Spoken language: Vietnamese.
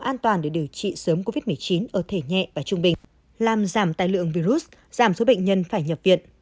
an toàn để điều trị sớm covid một mươi chín ở thể nhẹ và trung bình làm giảm tài lượng virus giảm số bệnh nhân phải nhập viện